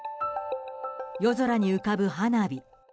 夜空に浮かぶ花火。